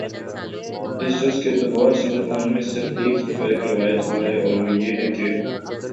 اس جز کے اعتبار سے متون میں صرف ایک ہی فرق روایت ہوا ہے اور وہ یہ ہے کہ